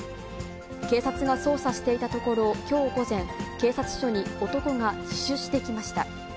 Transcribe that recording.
警察が捜査していたところ、きょう午前、警察署に男が自首してきました。